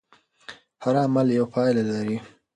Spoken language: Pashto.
هر عمل یوه پایله لري.